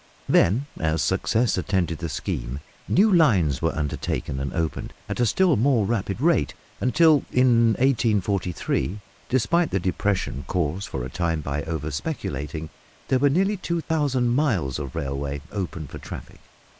Then, as success attended the scheme, new lines were undertaken and opened at a still more rapid rate until, in 1843 despite the depression caused for a time by over speculating there were nearly 2000 miles of railway open for traffic.